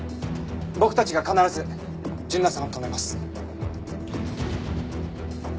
僕たちが必ず純奈さんを止めます。